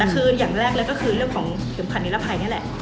แต่คืออย่างแรกแล้วก็คือเรื่องของเฉียบขัดนิรภัยเนี่ยแหละ